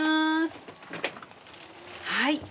はい！